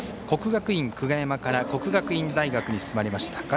国学院久我山から国学院大学に進まれました。